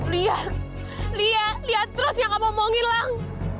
lia lia liat terus yang kamu omongin lang